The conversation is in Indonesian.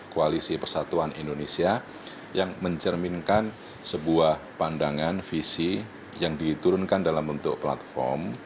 koalisi persatuan indonesia yang mencerminkan sebuah pandangan visi yang diturunkan dalam bentuk platform